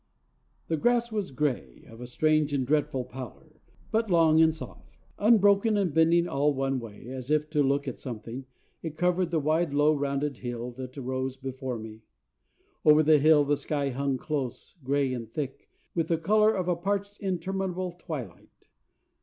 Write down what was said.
The grass was gray, of a strange and dreadful pallor, but long and soft. Unbroken, and bending all one way, as if to look at something, it covered the wide, low, rounded hill that rose before me. Over the hill the sky hung close, gray and thick, with the color of a parched interminable twilight.